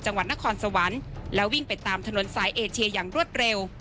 จังหวัดนครสวรรค์แล้ววิ่งไปตามถนนสายเอเชียอย่างรวดเร็ว